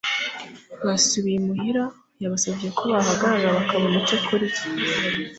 Basubiye imuhira, yabasabye ko bahagarara bakabona icyo kurya.